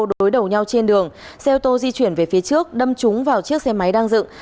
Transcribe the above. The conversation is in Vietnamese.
đối đầu nhau trên đường xe ô tô di chuyển về phía trước đâm trúng vào chiếc xe máy đang dựng